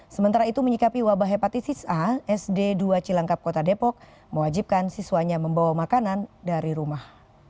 sementara itu menyikapi wabah hepatitis a sd dua cilangkap kota depok mewajibkan siswanya membawa makanan dari rumah